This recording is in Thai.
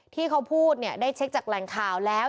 ที่เขาพูดเนี่ยได้เช็คจากแหล่งข่าวแล้ว